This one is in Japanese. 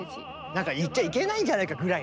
なんか行っちゃいけないんじゃないかぐらいのね